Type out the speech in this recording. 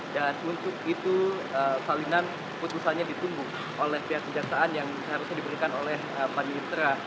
dan untuk itu salinan putusannya ditumbuh oleh pihak kejaksaan yang seharusnya diberikan oleh pemerintah